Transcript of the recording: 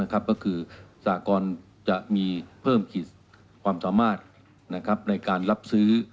ก็คือสหกรจะมีเพิ่มขีดความสามารถในการรับซื้อ